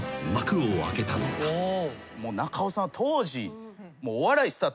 中尾さんは当時。